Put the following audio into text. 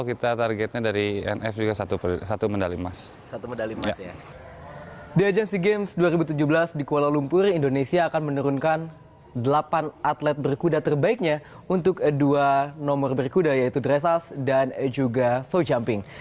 karena ada delapan atlet berkuda terbaiknya untuk dua nomor berkuda yaitu dress ass dan juga show jumping